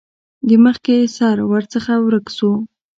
د مخکې سر ورڅخه ورک شو.